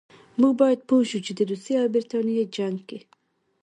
موږ باید پوه شو چې د روسیې او برټانیې جنګ کې.